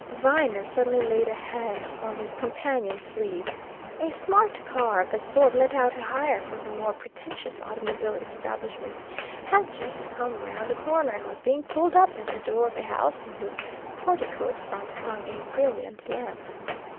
Viner suddenly laid a hand on his companion's sleeve. A smart car, of the sort let out on hire from the more pretentious automobile establishments, had just come round the corner and was being pulled up at the door of a house in whose porticoed front hung a brilliant lamp.